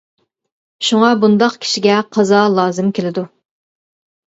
شۇڭا بۇنداق كىشىگە قازا لازىم كېلىدۇ.